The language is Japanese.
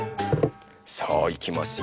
さあいきますよ。